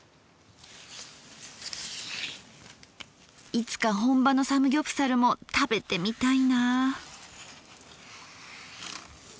いつか本場のサムギョプサルも食べてみたいなぁ。